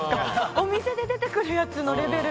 お店で出てくるやつのレベル。